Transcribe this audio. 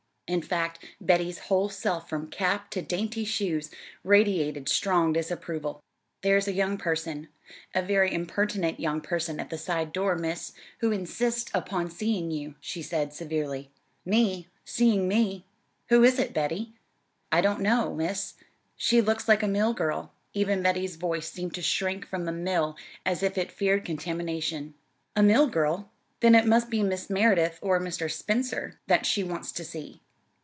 In fact, Betty's whole self from cap to dainty shoes radiated strong disapproval. "There's a young person a very impertinent young person at the side door, Miss, who insists upon seeing you," she said severely. "Me? Seeing me? Who is it, Betty?" "I don't know, Miss. She looks like a mill girl." Even Betty's voice seemed to shrink from the "mill" as if it feared contamination. "A mill girl? Then it must be Mrs. Merideth or Mr. Spencer that she wants to see."